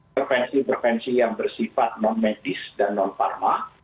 preferensi prevensi yang bersifat non medis dan non pharma